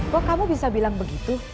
kok kamu bisa bilang begitu